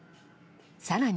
さらに。